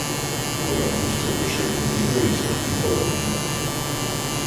Вона густо почервоніла й закліпала віями.